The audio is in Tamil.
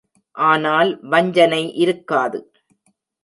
ஆனால் வஞ்சனை இருக்காது.